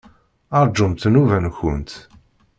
Rjumt nnuba-nkent.